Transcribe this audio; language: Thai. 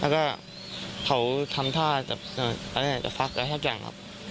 เขาทำท่าแบบจระแจ่งคู่